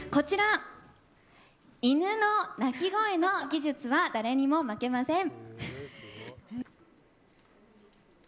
犬の鳴き声の技術は誰にも負けません。